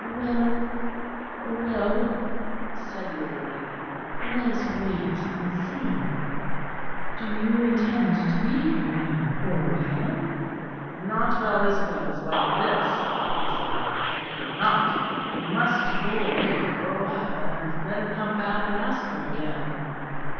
"Well, well," said the old lady, "let us wait and see. Do you intend to be here now for a while?" "Not while Isabel is like this," he said. "I could not. I must go away for a while, and then come back and ask her again."